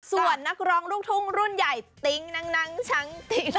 ส่วนนักร้องลูกทุ่งรุ่นใหญ่ติ๊งนังชังติง